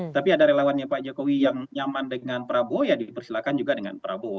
tapi ada relawannya pak jokowi yang nyaman dengan prabowo ya dipersilakan juga dengan prabowo